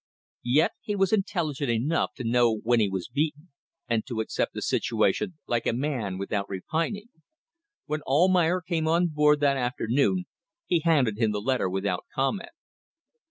Yet he was intelligent enough to know when he was beaten, and to accept the situation like a man, without repining. When Almayer came on board that afternoon he handed him the letter without comment.